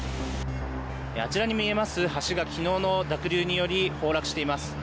あちらに見えます橋が昨日の濁流により崩落しています。